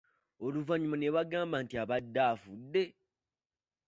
Oluvannyuma ne bagamba nti yabadde afudde!